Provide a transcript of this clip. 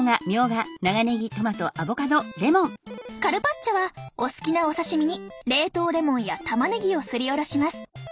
カルパッチョはお好きなお刺身に冷凍レモンやたまねぎをすりおろします。